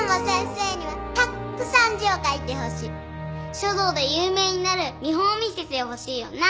書道で有名になる見本を見せてほしいよな。